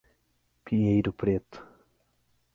Pinheiro Preto